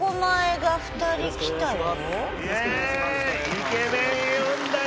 イケメン呼んだよ！